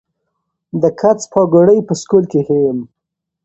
د کڅ پاګوړۍ پۀ سکول کښې يم